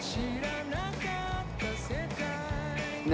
何？